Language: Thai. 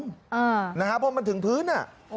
เพราะมันถึงพื้นอ่ะ